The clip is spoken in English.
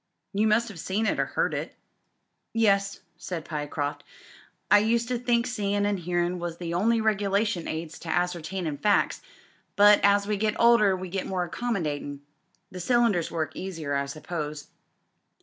"You must have seen it or heard it." "Yes," said Pyecroft. "I used to think seein* and hearin' was the only regulation aids to ascertainin' facts, but as we get older we get more accommodatin'. The cylinders work easier, I suppose.